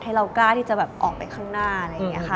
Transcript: เรากล้าที่จะแบบออกไปข้างหน้าอะไรอย่างนี้ค่ะ